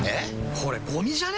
これゴミじゃね？